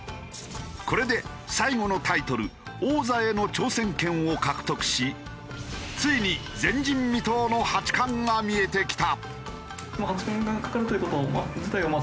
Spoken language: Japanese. これで最後のタイトル王座への挑戦権を獲得しついに前人未到の八冠が見えてきた。